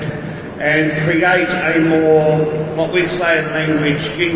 dan menciptakan sebuah bahasa yang kita sebutkan